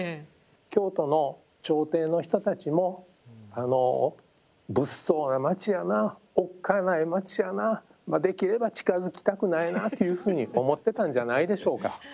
京都の朝廷の人たちも物騒な町やなおっかない町やなできれば近づきたくないなというふうに思ってたんじゃないでしょうか。